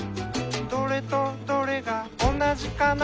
「どれとどれがおなじかな？」